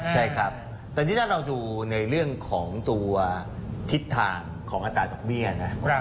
ใช่ครับตอนนี้ถ้าเราดูในเรื่องของตัวทิศทางของอัตราดอกเบี้ยนะ